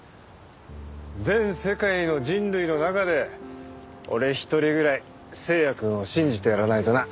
全世界の人類の中で俺一人ぐらい星也くんを信じてやらないとな。